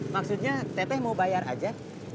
maksudnya teteh mau bayar aja